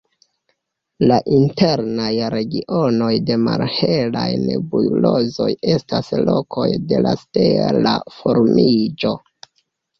La internaj regionoj de malhelaj nebulozoj estas lokoj de la stela formiĝo.